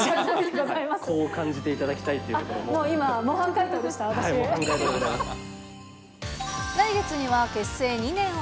こう感じていただきたいというところを。